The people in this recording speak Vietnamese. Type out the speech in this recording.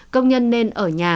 công nhân nên ở nhà